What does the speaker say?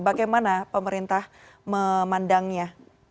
bagaimana pemerintah memandangnya